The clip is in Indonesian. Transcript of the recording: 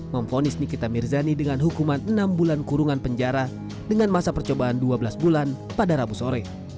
memfonis nikita mirzani dengan hukuman enam bulan kurungan penjara dengan masa percobaan dua belas bulan pada rabu sore